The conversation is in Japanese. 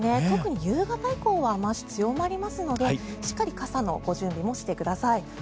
特に夕方以降は雨脚が強まりますのでしっかり傘のご準備もしてください。